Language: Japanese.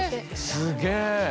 すげえ。